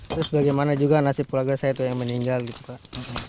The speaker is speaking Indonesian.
terus bagaimana juga nasib keluarga saya itu yang meninggal gitu pak